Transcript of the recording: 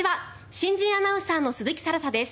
新人アナウンサーの鈴木新彩です。